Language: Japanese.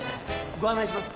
ご案内します。